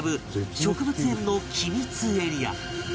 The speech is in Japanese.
植物園の機密エリア